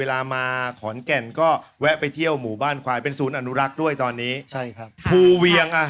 เรามาพบกับเจ้าบ้านดีกว่า